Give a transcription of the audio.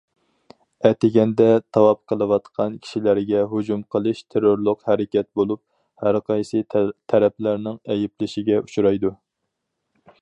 ئەتىگەندە تاۋاپ قىلىۋاتقان كىشىلەرگە ھۇجۇم قىلىش تېررورلۇق ھەرىكەت بولۇپ، ھەر قايسى تەرەپلەرنىڭ ئەيىبلىشىگە ئۇچرايدۇ.